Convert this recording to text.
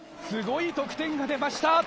すごい得点が出ました。